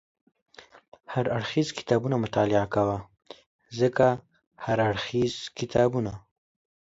هر اړخیز کتابونه مطالعه کوه، ځکه هر اړخیز کتابونه